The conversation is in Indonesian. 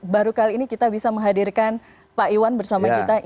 baru kali ini kita bisa menghadirkan pak iwan bersama kita